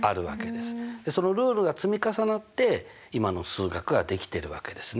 そのルールが積み重なって今の数学が出来てるわけですね。